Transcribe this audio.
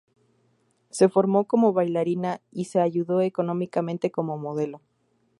Se formó como bailarina y se ayudó económicamente como modelo.